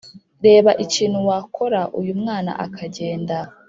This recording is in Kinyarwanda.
Reba ikintu wakora uyu mwana akagenda